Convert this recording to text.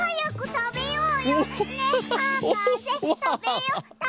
たべよう！